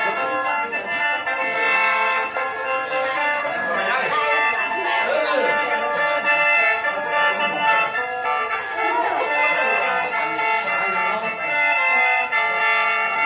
เสียงหลังเมื่อทางคนที่เขียน